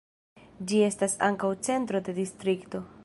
Ĝi estas ankaŭ centro de distrikto.